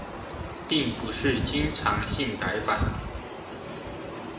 並不是經常性改版